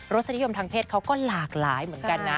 สนิยมทางเพศเขาก็หลากหลายเหมือนกันนะ